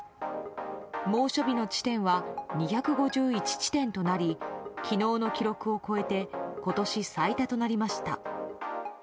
猛暑日の地点は２５１地点となり昨日の記録を超えて今年最多となりました。